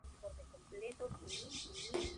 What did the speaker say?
Su primer presidente fue el Prof.